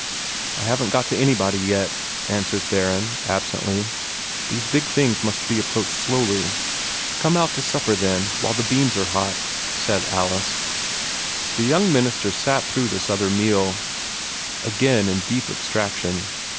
"I haven't got to anybody yet," answered Theron, absently. "These big things must be approached slowly." "Come out to supper, then, while the beans are hot," said Alice. The young minister sat through this other meal, again in deep abstraction.